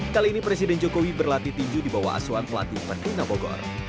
kali ini presiden jokowi berlatih tinju di bawah asuhan pelatih pertina bogor